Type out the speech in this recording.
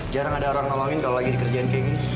jarang ada orang ngelawin kalau di kerjaan kayak gini